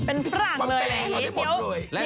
เป็นฝรั่งเลย